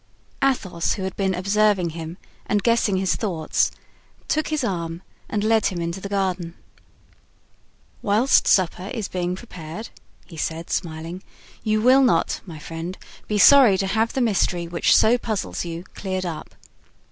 Athos, who had been observing him and guessing his thoughts, took his arm and led him into the garden. "Whilst supper is being prepared," he said, smiling, "you will not, my friend, be sorry to have the mystery which so puzzles you cleared up."